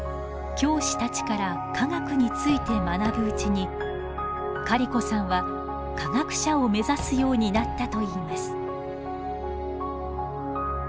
教師たちから科学について学ぶうちにカリコさんは科学者を目指すようになったといいます。